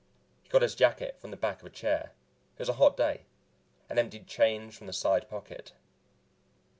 He got his jacket from the back of a chair it was a hot day and emptied change from the side pocket.